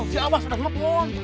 siapa sudah telepon